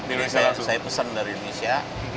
ini saya pesan dari indonesia